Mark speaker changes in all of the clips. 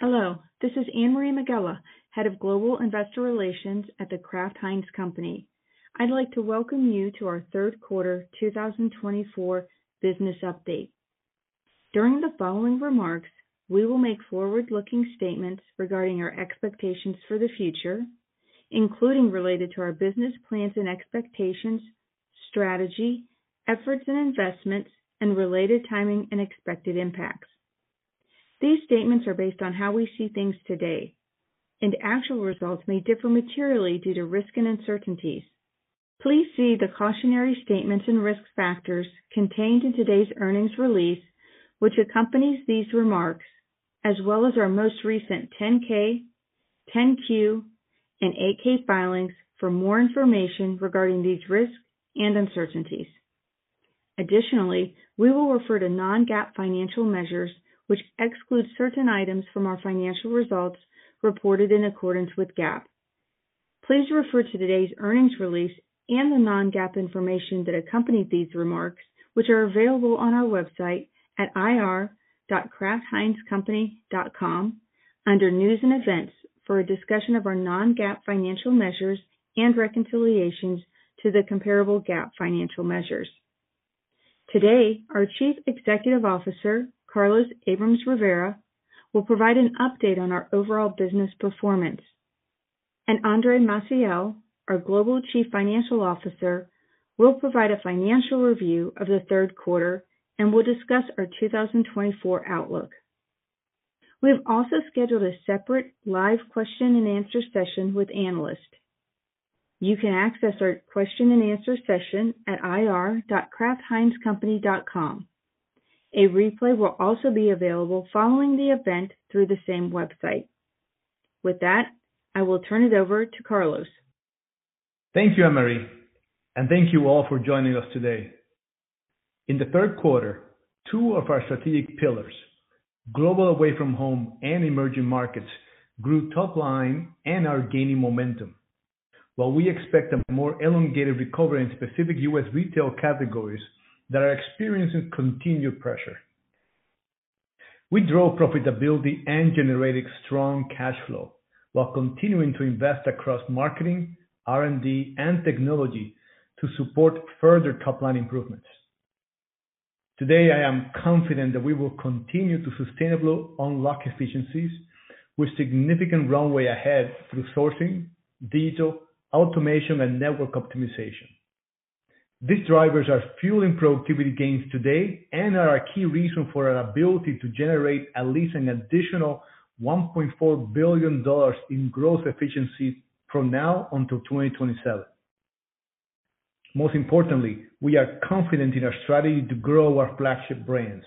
Speaker 1: Hello, this is Anne-Marie Megela, Head of Global Investor Relations at The Kraft Heinz Company. I'd like to welcome you to our third quarter 2024 business update. During the following remarks, we will make forward-looking statements regarding our expectations for the future, including related to our business plans and expectations, strategy, efforts and investments, and related timing and expected impacts. These statements are based on how we see things today, and actual results may differ materially due to risks and uncertainties. Please see the cautionary statements and risk factors contained in today's earnings release, which accompanies these remarks, as well as our most recent 10-K, 10-Q, and 8-K filings for more information regarding these risks and uncertainties. Additionally, we will refer to non-GAAP financial measures, which exclude certain items from our financial results reported in accordance with GAAP. Please refer to today's earnings release and the non-GAAP information that accompanied these remarks, which are available on our website at ir.kraftheinzcompany.com under News and Events for a discussion of our non-GAAP financial measures and reconciliations to the comparable GAAP financial measures. Today, our Chief Executive Officer, Carlos Abrams-Rivera, will provide an update on our overall business performance, and Andre Maciel, our Global Chief Financial Officer, will provide a financial review of the third quarter and will discuss our 2024 outlook. We have also scheduled a separate live question-and-answer session with analysts. You can access our question-and-answer session at ir.kraftheinzcompany.com. A replay will also be available following the event through the same website. With that, I will turn it over to Carlos.
Speaker 2: Thank you, Anne-Marie, and thank you all for joining us today. In the third quarter, two of our strategic pillars, Global Away From Home and Emerging Markets, grew top-line and are gaining momentum, while we expect a more elongated recovery in specific U.S. retail categories that are experiencing continued pressure. We drove profitability and generated strong cash flow while continuing to invest across marketing, R&D, and technology to support further top-line improvements. Today, I am confident that we will continue to sustainably unlock efficiencies, with significant runway ahead through sourcing, digital, automation, and network optimization. These drivers are fueling productivity gains today and are a key reason for our ability to generate at least an additional $1.4 billion in gross efficiency from now until 2027. Most importantly, we are confident in our strategy to grow our flagship brands.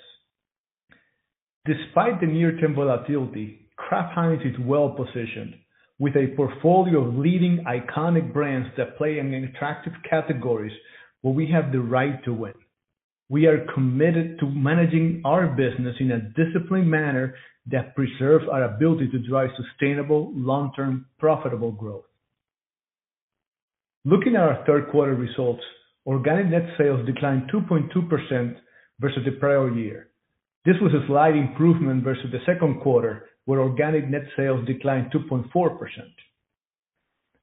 Speaker 2: Despite the near-term volatility, Kraft Heinz is well-positioned, with a portfolio of leading iconic brands that play in attractive categories where we have the right to win. We are committed to managing our business in a disciplined manner that preserves our ability to drive sustainable, long-term, profitable growth. Looking at our third quarter results, organic net sales declined 2.2% versus the prior year. This was a slight improvement versus the second quarter, where organic net sales declined 2.4%.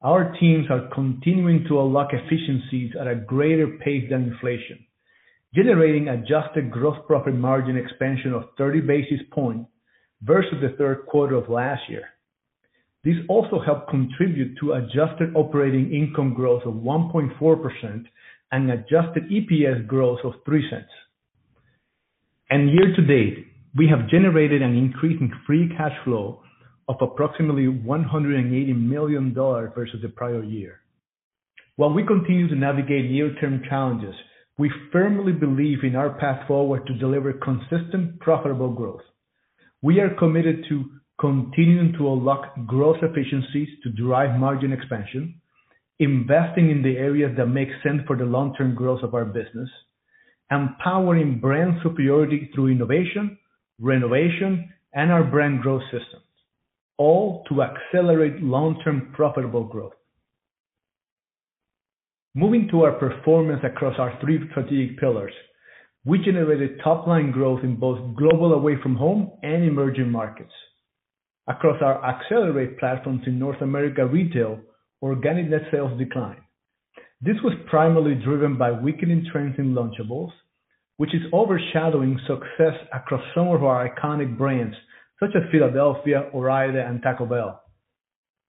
Speaker 2: Our teams are continuing to unlock efficiencies at a greater pace than inflation, generating adjusted gross profit margin expansion of 30 basis points versus the third quarter of last year. This also helped contribute to adjusted operating income growth of 1.4% and adjusted EPS growth of $0.03. And year-to-date, we have generated an increase in free cash flow of approximately $180 million versus the prior year. While we continue to navigate near-term challenges, we firmly believe in our path forward to deliver consistent, profitable growth. We are committed to continuing to unlock gross efficiencies to drive margin expansion, investing in the areas that make sense for the long-term growth of our business, empowering brand superiority through innovation, renovation, and our brand growth systems, all to accelerate long-term profitable growth. Moving to our performance across our three strategic pillars, we generated top-line growth in both Global Away From Home and Emerging Markets. Across our accelerate platforms in North America retail, organic net sales declined. This was primarily driven by weakening trends in Lunchables, which is overshadowing success across some of our iconic brands such as Philadelphia, Ore-Ida, and Taco Bell.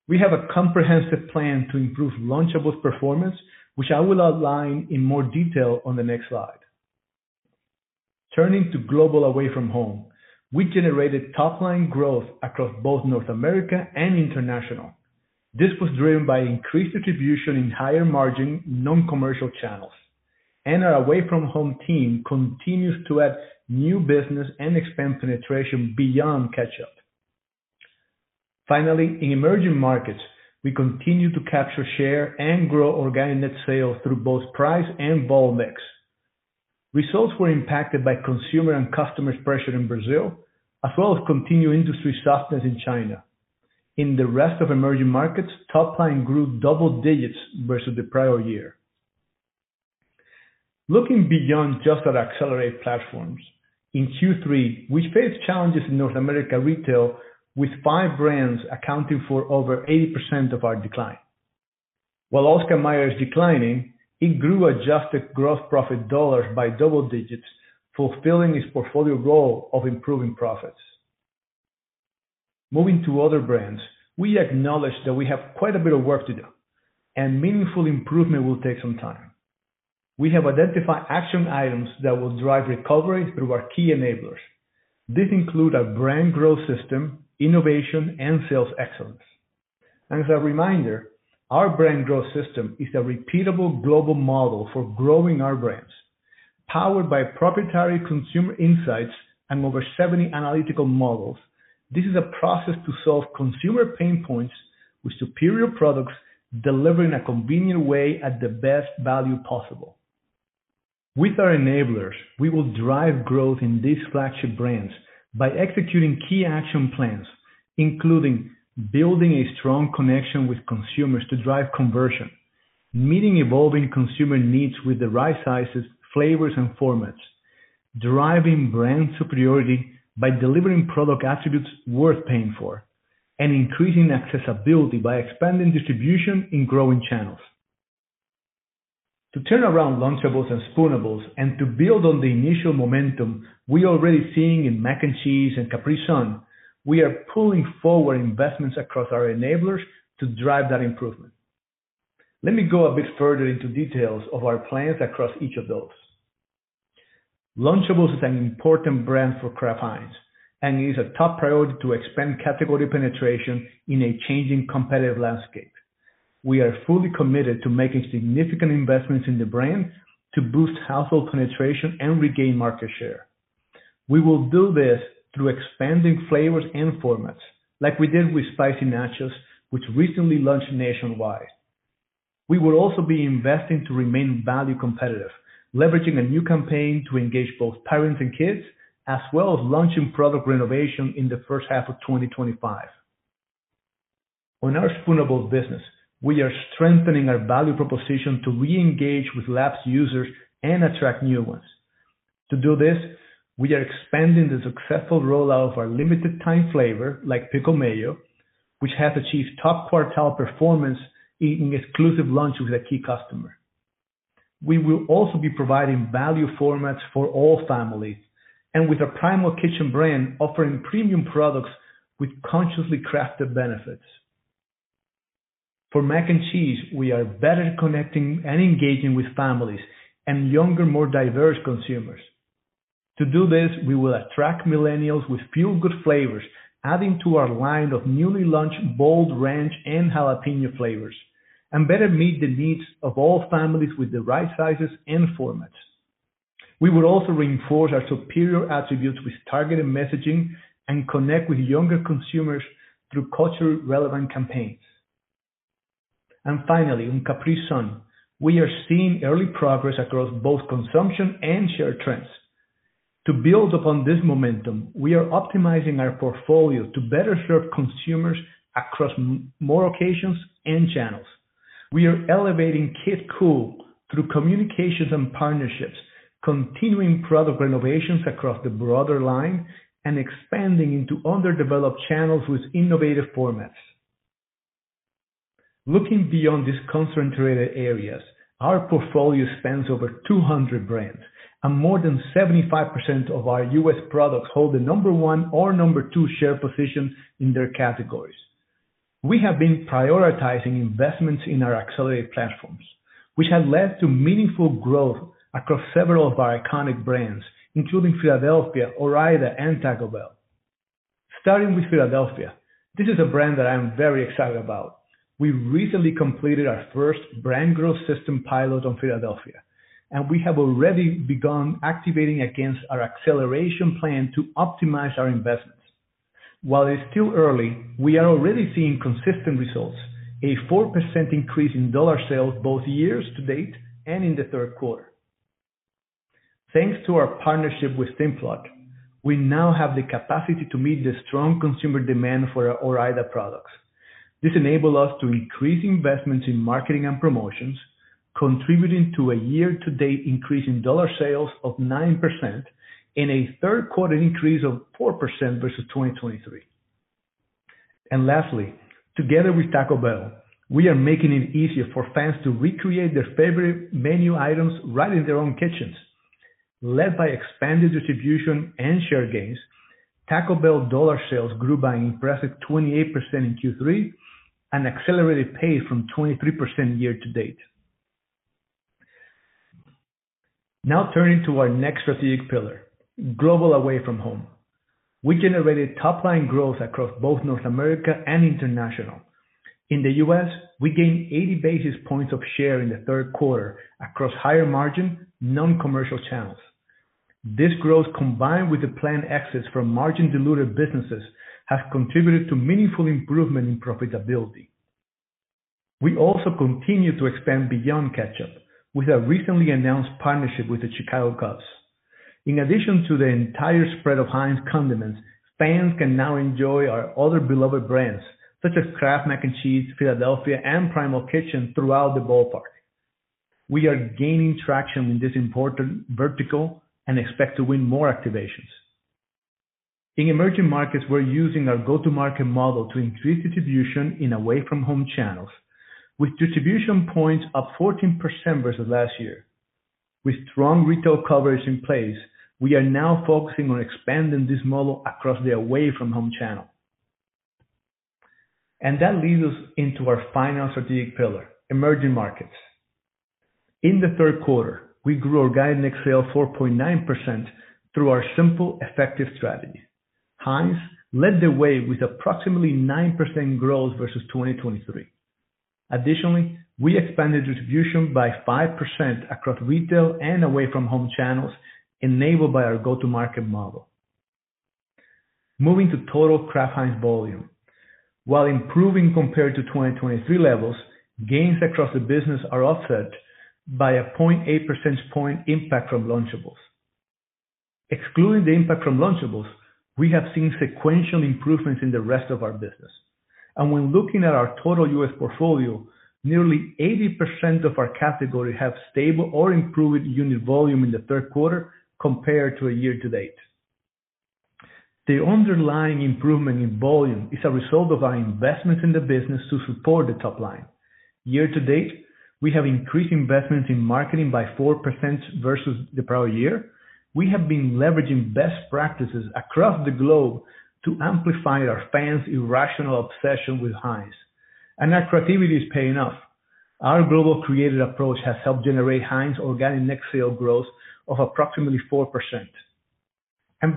Speaker 2: We have a comprehensive plan to improve Lunchables' performance, which I will outline in more detail on the next slide. Turning to Global Away From Home, we generated top-line growth across both North America and international. This was driven by increased distribution in higher margin non-commercial channels, and our Away From Home team continues to add new business and expand penetration beyond ketchup. Finally, in emerging markets, we continue to capture share and grow organic net sales through both price and Vol/Mix. Results were impacted by consumer and customer pressure in Brazil, as well as continued industry softness in China. In the rest of emerging markets, top-line grew double-digits versus the prior year. Looking beyond just our accelerate platforms, in Q3, we faced challenges in North America retail with five brands accounting for over 80% of our decline. While Oscar Mayer is declining, he grew adjusted gross profit dollars by double-digits, fulfilling his portfolio goal of improving profits. Moving to other brands, we acknowledge that we have quite a bit of work to do, and meaningful improvement will take some time. We have identified action items that will drive recovery through our key enablers. These include our Brand Growth System, innovation, and sales excellence. As a reminder, our Brand Growth System is a repeatable global model for growing our brands. Powered by proprietary consumer insights and over 70 analytical models, this is a process to solve consumer pain points with superior products delivered in a convenient way at the best value possible. With our enablers, we will drive growth in these flagship brands by executing key action plans, including building a strong connection with consumers to drive conversion, meeting evolving consumer needs with the right sizes, flavors, and formats, driving brand superiority by delivering product attributes worth paying for, and increasing accessibility by expanding distribution in growing channels. To turn around Lunchables and Spoonables and to build on the initial momentum we are already seeing in Mac and Cheese and Capri Sun, we are pulling forward investments across our enablers to drive that improvement. Let me go a bit further into details of our plans across each of those. Lunchables is an important brand for Kraft Heinz, and it is a top priority to expand category penetration in a changing competitive landscape. We are fully committed to making significant investments in the brand to boost household penetration and regain market share. We will do this through expanding flavors and formats, like we did with Spicy Nachos, which recently launched nationwide. We will also be investing to remain value competitive, leveraging a new campaign to engage both parents and kids, as well as launching product renovation in the first half of 2025. On our Spoonables business, we are strengthening our value proposition to re-engage with lapsed users and attract new ones. To do this, we are expanding the successful rollout of our limited-time flavor, like Pickle Mayo, which has achieved top quartile performance via exclusive launch with a key customer. We will also be providing value formats for all families, and with our Primal Kitchen brand offering premium products with consciously crafted benefits. For Mac and Cheese, we are better connecting and engaging with families and younger, more diverse consumers. To do this, we will attract millennials with feel-good flavors, adding to our line of newly launched Bold, Ranch, and Jalapeño flavors, and better meet the needs of all families with the right sizes and formats. We will also reinforce our superior attributes with targeted messaging and connect with younger consumers through culturally relevant campaigns. Finally, on Capri Sun, we are seeing early progress across both consumption and share trends. To build upon this momentum, we are optimizing our portfolio to better serve consumers across more occasions and channels. We are elevating Kid Cool through communications and partnerships, continuing product renovations across the broader line, and expanding into underdeveloped channels with innovative formats. Looking beyond these concentrated areas, our portfolio spans over 200 brands, and more than 75% of our U.S. products hold the number one or number two share position in their categories. We have been prioritizing investments in our accelerate platforms, which has led to meaningful growth across several of our iconic brands, including Philadelphia, Ore-Ida, and Taco Bell. Starting with Philadelphia, this is a brand that I'm very excited about. We recently completed our first brand growth system pilot on Philadelphia, and we have already begun activating against our acceleration plan to optimize our investments. While it is still early, we are already seeing consistent results, a 4% increase in dollar sales both year-to-date and in the third quarter. Thanks to our partnership with Simplot, we now have the capacity to meet the strong consumer demand for our Ore-Ida products. This enabled us to increase investments in marketing and promotions, contributing to a year-to-date increase in dollar sales of 9% and a third-quarter increase of 4% versus 2023, and lastly, together with Taco Bell, we are making it easier for fans to recreate their favorite menu items right in their own kitchens. Led by expanded distribution and share gains, Taco Bell dollar sales grew by an impressive 28% in Q3 and accelerated pace from 23% year-to-date. Now turning to our next strategic pillar, Global Away From Home. We generated top-line growth across both North America and international. In the U.S., we gained 80 basis points of share in the third quarter across higher margin non-commercial channels. This growth, combined with the planned exits from margin-dilutive businesses, has contributed to meaningful improvement in profitability. We also continue to expand beyond ketchup with a recently announced partnership with the Chicago Cubs. In addition to the entire spread of Heinz condiments, fans can now enjoy our other beloved brands such as Kraft Mac and Cheese, Philadelphia, and Primal Kitchen throughout the ballpark. We are gaining traction in this important vertical and expect to win more activations. In emerging markets, we're using our Go-To-Market model to increase distribution in Away From Home channels, with distribution points up 14% versus last year. With strong retail coverage in place, we are now focusing on expanding this model across the Away From Home channel, and that leads us into our final strategic pillar, emerging markets. In the third quarter, we grew organic net sales 4.9% through our simple, effective strategy. Heinz led the way with approximately 9% growth versus 2023. Additionally, we expanded distribution by 5% across retail and Away From Home channels enabled by our Go-To-Market model. Moving to total Kraft Heinz volume, while improving compared to 2023 levels, gains across the business are offset by a 0.8% point impact from Lunchables. Excluding the impact from Lunchables, we have seen sequential improvements in the rest of our business, and when looking at our total U.S. portfolio, nearly 80% of our category have stable or improved unit volume in the third quarter compared to a year-to-date. The underlying improvement in volume is a result of our investments in the business to support the top line. Year-to-date, we have increased investments in marketing by 4% versus the prior year. We have been leveraging best practices across the globe to amplify our fans' irrational obsession with Heinz. Our creativity is paying off. Our global creative approach has helped generate Heinz organic net sales growth of approximately 4%.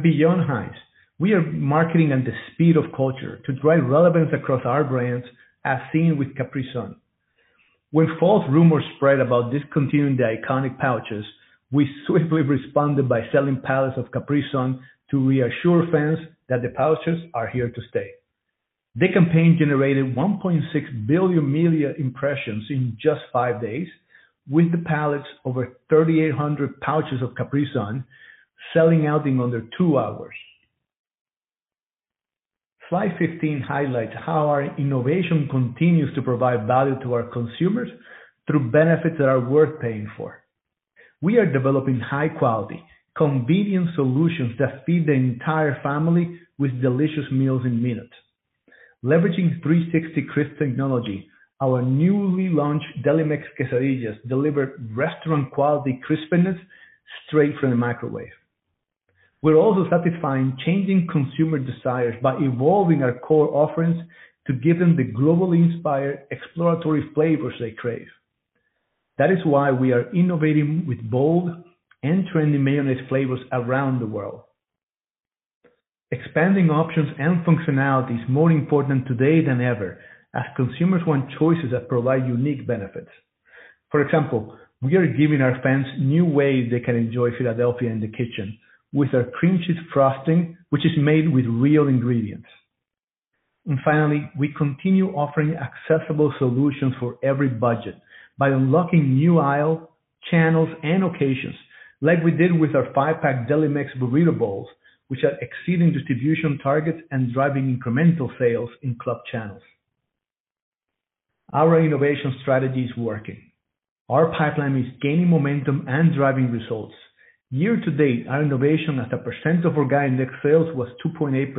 Speaker 2: Beyond Heinz, we are marketing at the speed of culture to drive relevance across our brands, as seen with Capri Sun. When false rumors spread about discontinuing the iconic pouches, we swiftly responded by selling pallets of Capri Sun to reassure fans that the pouches are here to stay. The campaign generated 1.6 billion media impressions in just five days, with the pallets over 3,800 pouches of Capri Sun selling out in under two hours. Slide 15 highlights how our innovation continues to provide value to our consumers through benefits that are worth paying for. We are developing high-quality, convenient solutions that feed the entire family with delicious meals in minutes. Leveraging 360CRISP technology, our newly launched Delimex Quesadillas deliver restaurant-quality crispness straight from the microwave. We're also satisfying changing consumer desires by evolving our core offerings to give them the globally inspired exploratory flavors they crave. That is why we are innovating with bold and trendy mayonnaise flavors around the world. Expanding options and functionality is more important today than ever, as consumers want choices that provide unique benefits. For example, we are giving our fans new ways they can enjoy Philadelphia in the kitchen with our cream cheese frosting, which is made with real ingredients. Finally, we continue offering accessible solutions for every budget by unlocking new aisles, channels, and occasions, like we did with our five-pack Delimex Burrito Bowls, which are exceeding distribution targets and driving incremental sales in club channels. Our innovation strategy is working. Our pipeline is gaining momentum and driving results. Year-to-date, our innovation at a percent of organic net sales was 2.8%,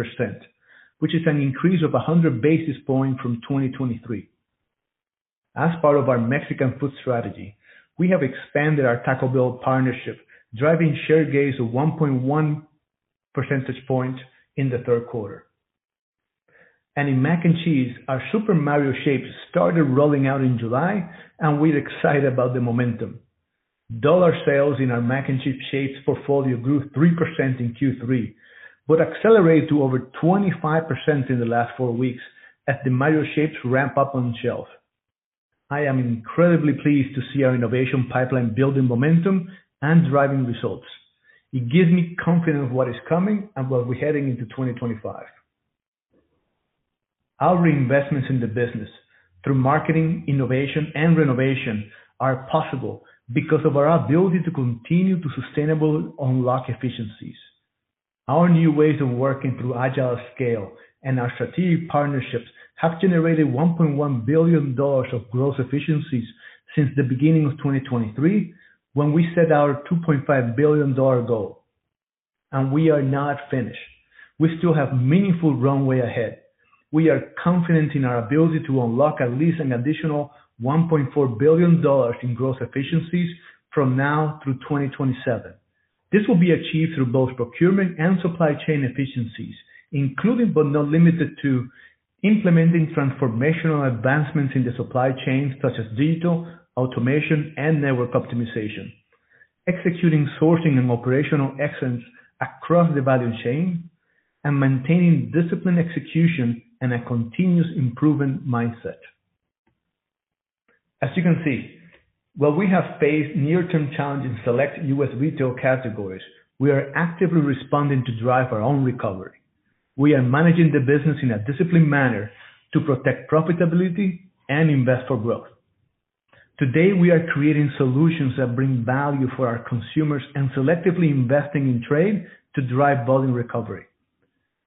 Speaker 2: which is an increase of 100 basis points from 2023. As part of our Mexican food strategy, we have expanded our Taco Bell partnership, driving share gains of 1.1% points in the third quarter. In Mac and Cheese, our Super Mario shapes started rolling out in July, and we're excited about the momentum. Dollar sales in our Mac and Cheese shapes portfolio grew 3% in Q3, but accelerated to over 25% in the last four weeks as the Mario shapes ramp up on shelf. I am incredibly pleased to see our innovation pipeline building momentum and driving results. It gives me confidence in what is coming and what we're heading into 2025. Our reinvestments in the business through marketing, innovation, and renovation are possible because of our ability to continue to sustainably unlock efficiencies. Our new ways of working through Agile@Scale and our strategic partnerships have generated $1.1 billion of gross efficiencies since the beginning of 2023, when we set our $2.5 billion goal, and we are not finished. We still have a meaningful runway ahead. We are confident in our ability to unlock at least an additional $1.4 billion in gross efficiencies from now through 2027. This will be achieved through both procurement and supply chain efficiencies, including, but not limited to, implementing transformational advancements in the supply chain, such as digital automation and network optimization, executing sourcing and operational excellence across the value chain, and maintaining disciplined execution and a continuous improvement mindset. As you can see, while we have faced near-term challenges in select U.S. retail categories, we are actively responding to drive our own recovery. We are managing the business in a disciplined manner to protect profitability and invest for growth. Today, we are creating solutions that bring value for our consumers and selectively investing in trade to drive volume recovery.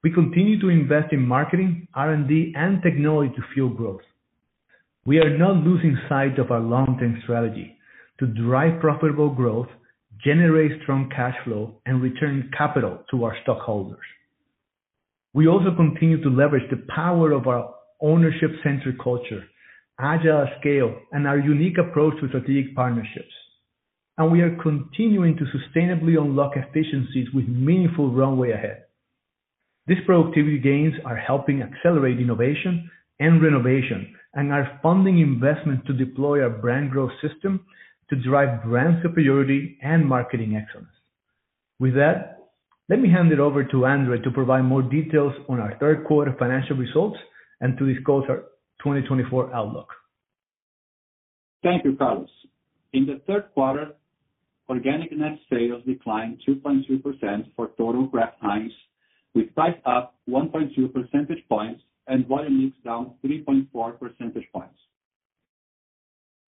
Speaker 2: We continue to invest in marketing, R&D, and technology to fuel growth. We are not losing sight of our long-term strategy to drive profitable growth, generate strong cash flow, and return capital to our stockholders. We also continue to leverage the power of our ownership-centered culture, Agile@Scale, and our unique approach to strategic partnerships. We are continuing to sustainably unlock efficiencies with meaningful runway ahead. These productivity gains are helping accelerate innovation and renovation and are funding investments to deploy our brand growth system to drive brand superiority and marketing excellence. With that, let me hand it over to Andre to provide more details on our third-quarter financial results and to disclose our 2024 outlook.
Speaker 3: Thank you, Carlos. In the third quarter, organic net sales declined 2.3% for total Kraft Heinz, with pricing up 1.2% points and Volume/Mix down 3.4% points.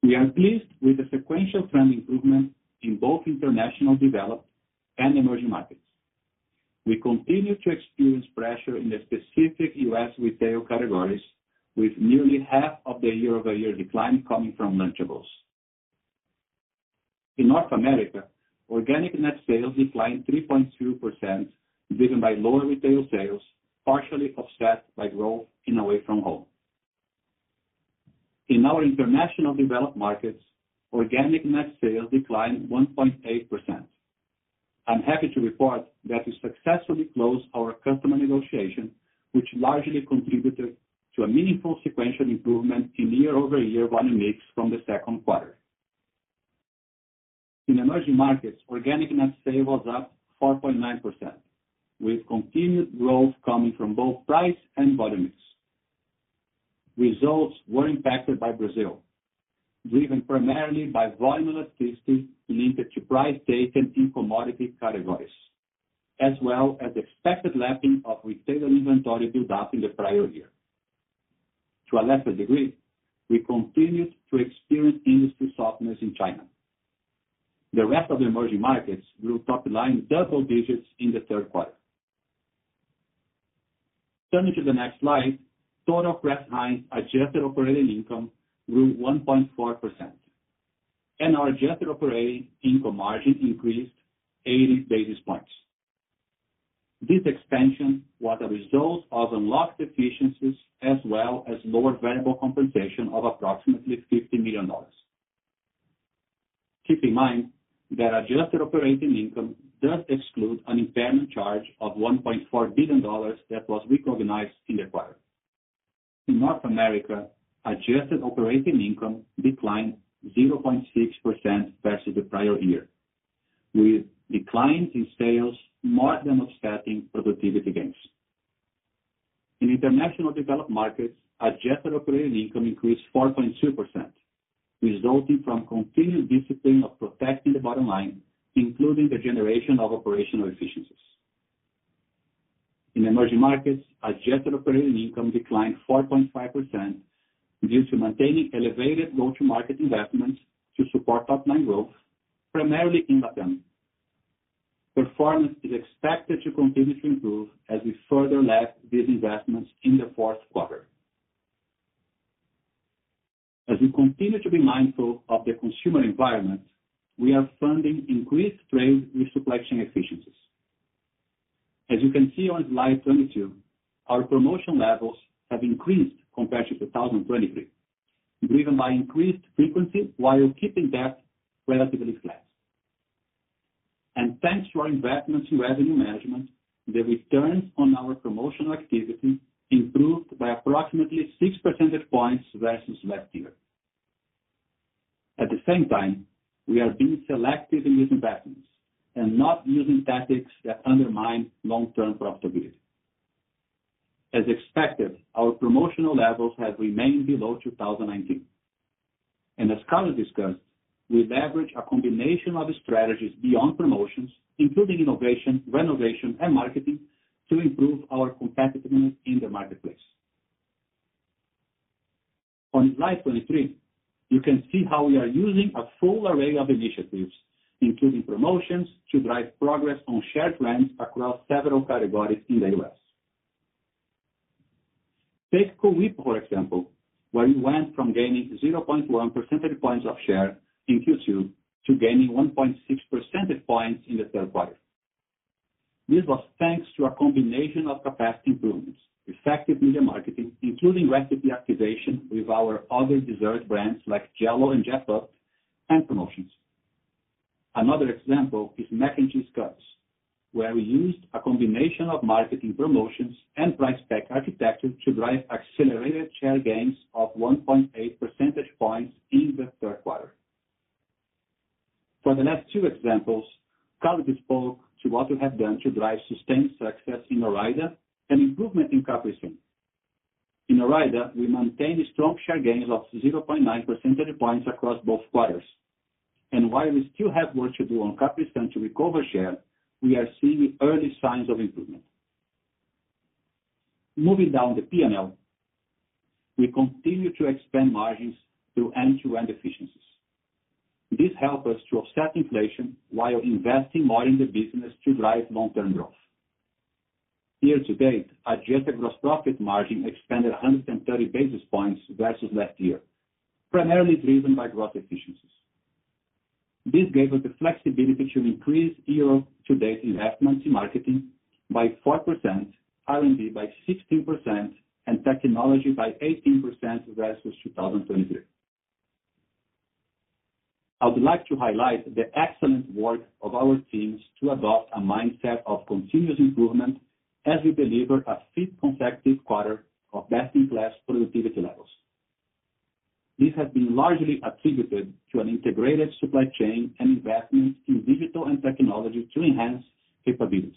Speaker 3: We are pleased with the sequential trend improvement in both international developed and emerging markets. We continue to experience pressure in the specific U.S. retail categories, with nearly half of the year-over-year decline coming from Lunchables. In North America, organic net sales declined 3.2%, driven by lower retail sales, partially offset by growth in Away From Home. In our International developed markets, organic net sales declined 1.8%. I'm happy to report that we successfully closed our customer negotiation, which largely contributed to a meaningful sequential improvement in year-over-year Volume/Mix from the second quarter. In emerging markets, organic net sales was up 4.9%, with continued growth coming from both price and Vol/Mix. Results were impacted by Brazil, driven primarily by volume elasticity linked to price taken in commodity categories, as well as the expected lapping of retail inventory built up in the prior year. To a lesser degree, we continued to experience industry softness in China. The rest of the emerging markets grew top-line double-digits in the third quarter. Turning to the next slide, total Kraft Heinz adjusted operating income grew 1.4%, and our adjusted operating income margin increased 80 basis points. This expansion was a result of unlocked efficiencies as well as lower variable compensation of approximately $50 million. Keep in mind that adjusted operating income does exclude an impairment charge of $1.4 billion that was recognized in the quarter. In North America, adjusted operating income declined 0.6% versus the prior year, with declines in sales more than offsetting productivity gains. In international developed markets, adjusted operating income increased 4.2%, resulting from continued discipline of protecting the bottom line, including the generation of operational efficiencies. In Emerging Markets, adjusted operating income declined 4.5% due to maintaining elevated Go-To-Market investments to support top-line growth, primarily in Latin. Performance is expected to continue to improve as we further lap these investments in the fourth quarter. As we continue to be mindful of the consumer environment, we are funding increased trade with supply chain efficiencies. As you can see on Slide 22, our promotion levels have increased compared to 2023, driven by increased frequency while keeping that relatively flat, and thanks to our investments in revenue management, the returns on our promotional activity improved by approximately 6% points versus last year. At the same time, we are being selective in these investments and not using tactics that undermine long-term profitability. As expected, our promotional levels have remained below 2019, and as Carlos discussed, we leverage a combination of strategies beyond promotions, including innovation, renovation, and marketing, to improve our competitiveness in the marketplace. On Slide 23, you can see how we are using a full array of initiatives, including promotions, to drive progress on shared trends across several categories in the U.S. Take Cool Whip, for example, where we went from gaining 0.1% points of share in Q2 to gaining 1.6% points in the third quarter. This was thanks to a combination of capacity improvements, effective media marketing, including recipe activation with our other dessert brands like Jell-O and Jet-Puffed, and promotions. Another example is Mac and Cheese Cuts, where we used a combination of marketing promotions and price-pack architecture to drive accelerated share gains of 1.8% points in the third quarter. For the last two examples, Carlos spoke to what we have done to drive sustained success in Ore-Ida and improvement in Capri Sun. In Ore-Ida, we maintained strong share gains of 0.9% points across both quarters. While we still have work to do on Capri Sun to recover share, we are seeing early signs of improvement. Moving down the P&L, we continue to expand margins through end-to-end efficiencies. This helped us to offset inflation while investing more in the business to drive long-term growth. Year-to-date, adjusted gross profit margin expanded 130 basis points versus last year, primarily driven by gross efficiencies. This gave us the flexibility to increase year-to-date investments in marketing by 4%, R&D by 16%, and technology by 18% versus 2023. I would like to highlight the excellent work of our teams to adopt a mindset of continuous improvement as we deliver a fifth consecutive quarter of best-in-class productivity levels. This has been largely attributed to an integrated supply chain and investment in digital and technology to enhance capabilities,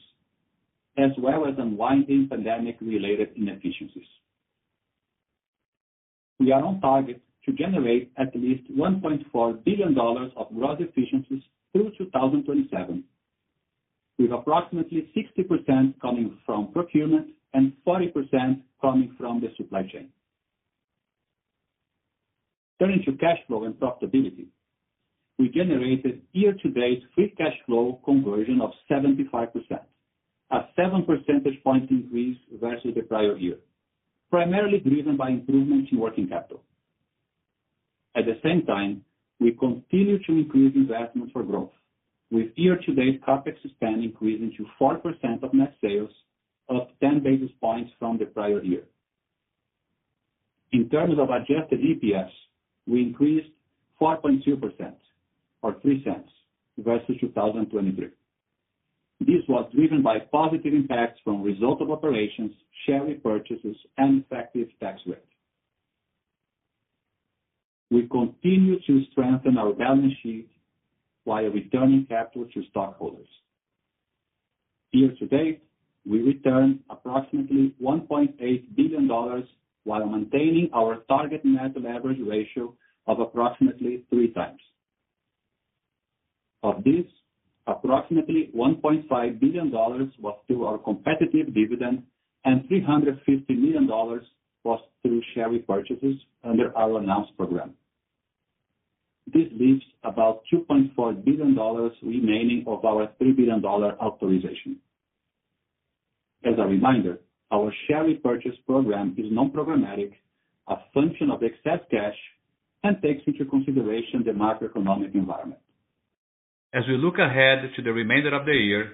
Speaker 3: as well as unwinding pandemic-related inefficiencies. We are on target to generate at least $1.4 billion of gross efficiencies through 2027, with approximately 60% coming from procurement and 40% coming from the supply chain. Turning to cash flow and profitability, we generated year-to-date free cash flow conversion of 75%, a 7% point increase versus the prior year, primarily driven by improvements in working capital. At the same time, we continue to increase investments for growth, with year-to-date CapEx spend increasing to 4% of net sales, up 10 basis points from the prior year. In terms of Adjusted EPS, we increased 4.2%, or $0.30, versus 2023. This was driven by positive impacts from resilient operations, share repurchases, and effective tax rate. We continue to strengthen our balance sheet while returning capital to stockholders. Year-to-date, we returned approximately $1.8 billion while maintaining our target net leverage ratio of approximately 3x. Of this, approximately $1.5 billion was through our quarterly dividend, and $350 million was through share repurchases under our announced program. This leaves about $2.4 billion remaining of our $3 billion authorization. As a reminder, our share repurchase program is non-programmatic, a function of excess cash, and takes into consideration the macroeconomic environment. As we look ahead to the remainder of the year,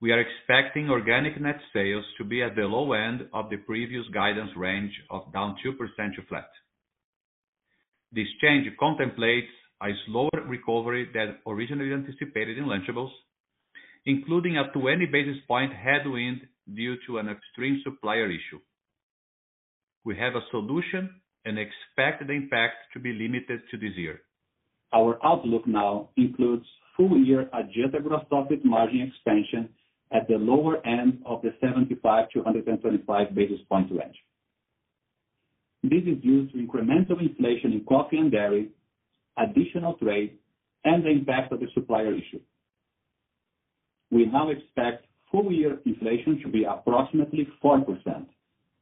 Speaker 3: we are expecting organic net sales to be at the low end of the previous guidance range of down 2% to flat. This change contemplates a slower recovery than originally anticipated in Lunchables, including a 20 basis points headwind due to an extreme supplier issue. We have a solution and expect the impact to be limited to this year. Our outlook now includes full-year adjusted gross profit margin expansion at the lower end of the 75-125 basis points range. This is due to incremental inflation in coffee and dairy, additional trade, and the impact of the supplier issue. We now expect full-year inflation to be approximately 4%,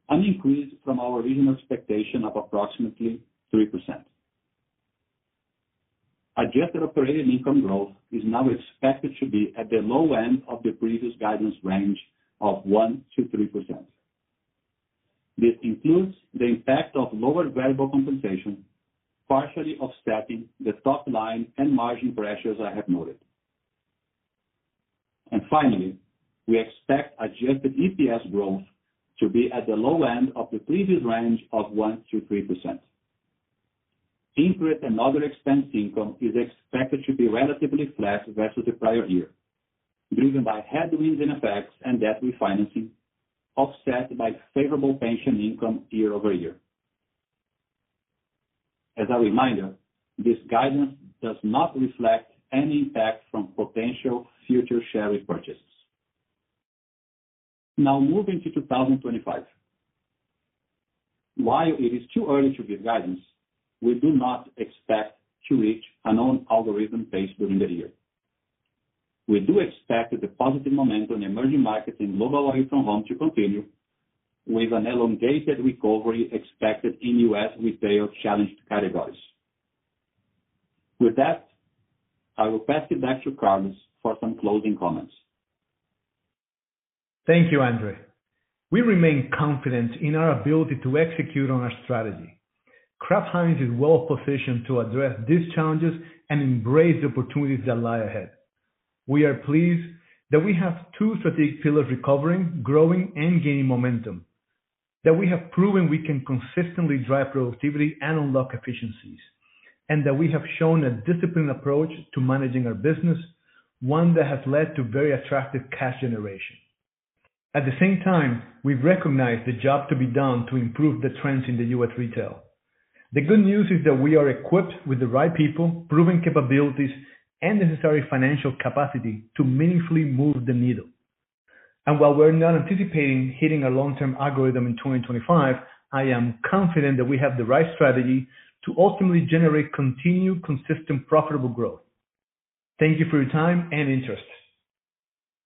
Speaker 3: an increase from our original expectation of approximately 3%. Adjusted operating income growth is now expected to be at the low end of the previous guidance range of 1%-3%. This includes the impact of lower variable compensation, partially offsetting the top-line and margin pressures I have noted. And finally, we expect adjusted EPS growth to be at the low end of the previous range of 1%-3%. Interest and other expense income is expected to be relatively flat versus the prior year, driven by headwinds in FX and debt refinancing, offset by favorable pension income year-over-year. As a reminder, this guidance does not reflect any impact from potential future share repurchases. Now moving to 2025. While it is too early to give guidance, we do not expect to reach a known algorithm pace during the year. We do expect the positive momentum in Emerging Markets in global out-of-home to continue, with an elongated recovery expected in U.S. retail challenged categories. With that, I will pass it back to Carlos for some closing comments.
Speaker 2: Thank you, Andre. We remain confident in our ability to execute on our strategy. Kraft Heinz is well-positioned to address these challenges and embrace the opportunities that lie ahead. We are pleased that we have two strategic pillars recovering, growing, and gaining momentum, that we have proven we can consistently drive productivity and unlock efficiencies, and that we have shown a disciplined approach to managing our business, one that has led to very attractive cash generation. At the same time, we recognize the job to be done to improve the trends in the U.S. retail. The good news is that we are equipped with the right people, proven capabilities, and necessary financial capacity to meaningfully move the needle. And while we're not anticipating hitting a long-term algorithm in 2025, I am confident that we have the right strategy to ultimately generate continued consistent profitable growth. Thank you for your time and interest.